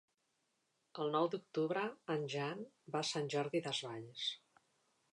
El nou d'octubre en Jan va a Sant Jordi Desvalls.